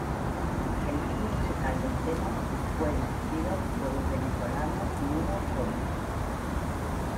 El video musical del tema fue dirigido por el venezolano Nuno Gómez.